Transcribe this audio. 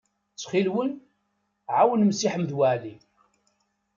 Ttxil-wen, ɛawnem Si Ḥmed Waɛli.